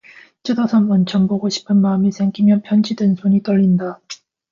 뜯어서 먼첨 보고 싶은 마음이 생기며 편지 든 손이 떨린다.